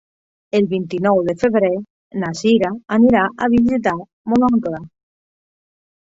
El vint-i-nou de febrer na Cira anirà a visitar mon oncle.